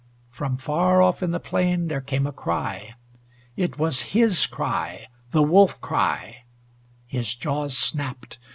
From far off in the plain there came a cry. It was his cry the wolf cry. His jaws snapped.